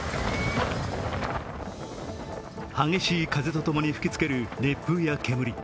激しい風と共に吹きつける熱風や煙。